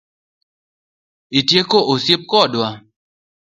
Itieko osiep kodwa?